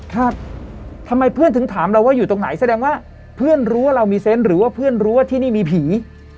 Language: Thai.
ทำไมเพื่อนถึงถามเราว่าอยู่ตรงไหนแสดงว่าเพื่อนรู้ว่าเรามีเซนต์หรือว่าเพื่อนรู้ว่าที่นี่มีผี